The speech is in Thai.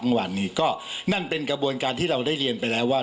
เมื่อวานนี้ก็นั่นเป็นกระบวนการที่เราได้เรียนไปแล้วว่า